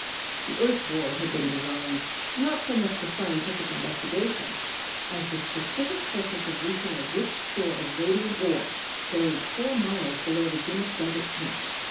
The earth borer had been designed not so much for scientific investigation as the specific purpose of reaching a rich store of radium ore buried four miles below the Guinness desert camp.